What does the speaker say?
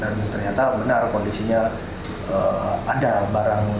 dan ternyata benar kondisinya ada barang